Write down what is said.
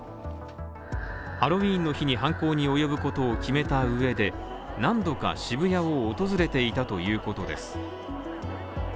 ハロウィーンの日に犯行に及ぶことを決めた上で、何度か渋谷を訪れていたということです。